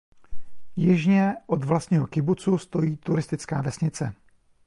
Jižně od vlastního kibucu stojí turistická vesnice.